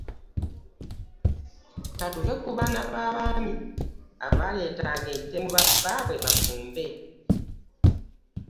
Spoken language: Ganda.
Ka tuve ku baana b’abaami abaaleetanga ente mu babbaabwe bafumbe.